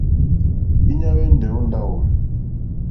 Íɲá hwɛ́ndɛ̀ ó ndáwò.